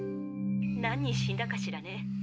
何人死んだかしらね。